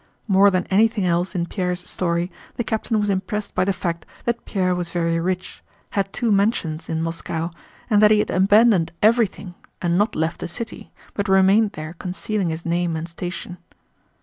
More than anything else in Pierre's story the captain was impressed by the fact that Pierre was very rich, had two mansions in Moscow, and that he had abandoned everything and not left the city, but remained there concealing his name and station.